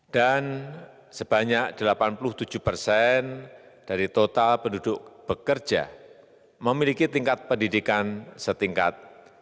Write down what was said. sebanyak delapan puluh tujuh persen dari total penduduk bekerja memiliki tingkat pendidikan setingkat